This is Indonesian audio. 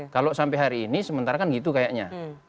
kalau sampai hari ini sementara kan gitu kayaknya